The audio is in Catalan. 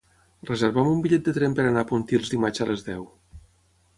Reserva'm un bitllet de tren per anar a Pontils dimarts a les deu.